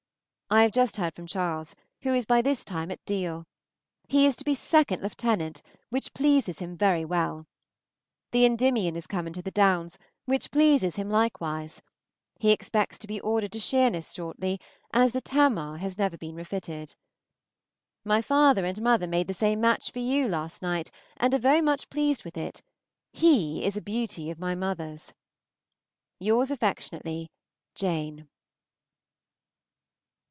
I have just heard from Charles, who is by this time at Deal. He is to be second lieutenant, which pleases him very well. The "Endymion" is come into the Downs, which pleases him likewise. He expects to be ordered to Sheerness shortly, as the "Tamar" has never been refitted. My father and mother made the same match for you last night, and are very much pleased with it. He is a beauty of my mother's. Yours affectionately, JANE.